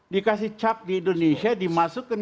dikasih cap di indonesia dimasukin